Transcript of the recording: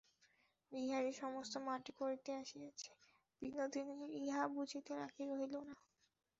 বিহারী সমস্ত মাটি করিতে আসিয়াছে, বিনোদিনীর ইহা বুঝিতে বাকি রহিল না।